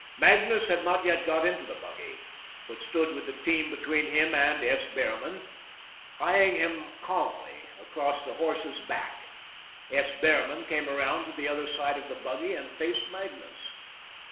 Magnus had not yet got into the buggy, but stood with the team between him and S. Behrman, eyeing him calmly across the horses' backs. S. Behrman came around to the other side of the buggy and faced Magnus.